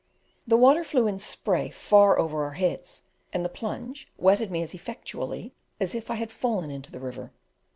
The water flew in spray far over our heads, and the plunge wetted me as effectually as if I had fallen into the river.